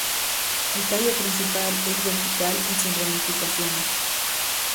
El tallo principal es vertical y sin ramificaciones.